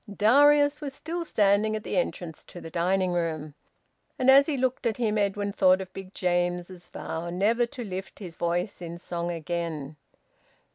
Darius was still standing at the entrance to the dining room. And as he looked at him Edwin thought of Big James's vow never to lift his voice in song again.